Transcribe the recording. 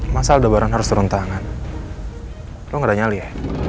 masa aldebaran harus turun tangan lo nggak nyali ya